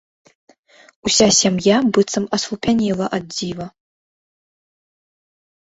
Уся сям'я быццам аслупянела ад дзіва.